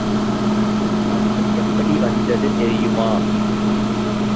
அந்தக் கடிதம் எப்படி வந்தது தெரியுமா?